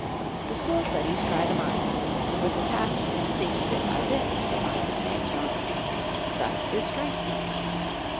The school studies try the mind; with the tasks increased bit by bit, the mind is made stronger. Thus is Strength gained.